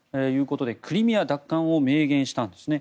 クリミア奪還を明言したんですね。